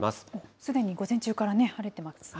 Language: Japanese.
すでに午前中からね、晴れてますね。